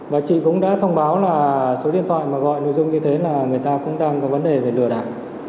và chị cũng đã thông báo là số điện thoại mà gọi nội dung như thế là người ta cũng đang có vấn đề về lừa đảo